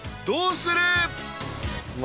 どうする？］